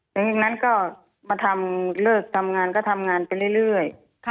จึงตามโรงงานทำงานไปเรื่อย